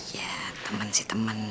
ya teman sih teman